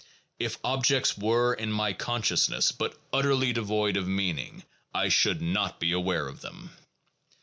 If objects were in my consciousness, but utterly devoid of meaning, I should not be aware of them.